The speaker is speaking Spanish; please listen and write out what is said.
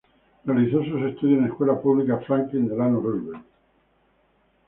Realizó sus estudios en escuela pública Franklin Delano Roosevelt.